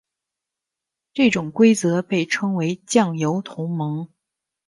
这种规则被称为酱油同盟。